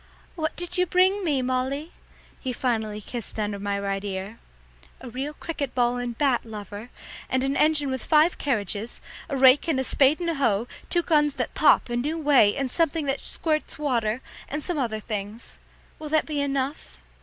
"What did you bring me, Molly?" he finally kissed under my right ear. "A real cricket ball and bat, lover, and an engine with five carriages, a rake and a spade and a hoe, two guns that pop a new way, and something that squirts water, and some other things. Will that be enough?"